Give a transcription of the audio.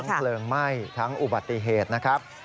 เพลิงไหม้ทั้งอุบัติเหตุนะครับ